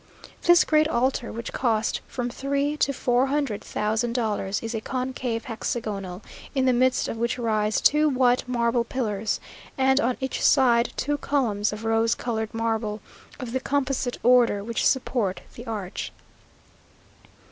This great altar, which cost from three to four hundred thousand dollars, is a concave hexagonal, in the midst of which rise two white marble pillars, and on each side two columns of rose coloured marble, of the composite order, which support the arch.